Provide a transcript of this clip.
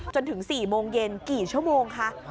จนถึง๔โมงเย็นกี่ชั่วโมงคะ